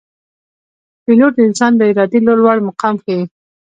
پیلوټ د انسان د ارادې لوړ مقام ښيي.